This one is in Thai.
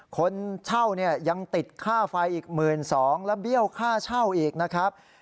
คนเช่าเนี่ยยังติดค่าไฟอีก๑๒๐๐บาทแล้วเบี้ยวค่าเช่าอีกนะครับ